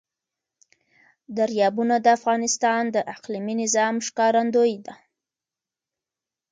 دریابونه د افغانستان د اقلیمي نظام ښکارندوی ده.